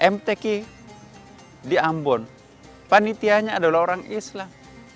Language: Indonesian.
mtk di ambon panitianya adalah orang islam